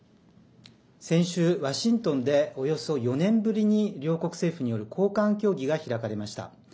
先週、ワシントンでおよそ４年ぶりに両国政府による高官協議が開かれました。